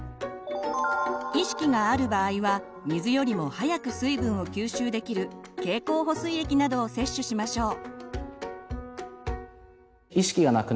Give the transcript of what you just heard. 意識がある場合は水よりも早く水分を吸収できる経口補水液などを摂取しましょう。